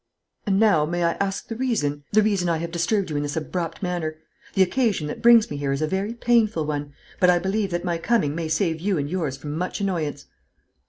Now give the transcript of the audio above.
And now may I ask the reason ?" "The reason I have disturbed you in this abrupt manner. The occasion that brings me here is a very painful one; but I believe that my coming may save you and yours from much annoyance."